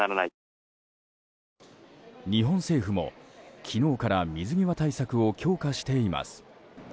日本政府も昨日から水際対策を強化しています。